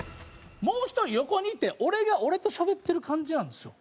もう１人横にいて俺が俺としゃべってる感じなんですよ。